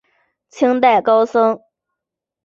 清代高僧。